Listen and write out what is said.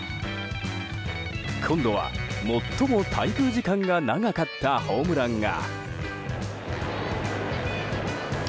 今度は、最も滞空時間が長かったホームランが。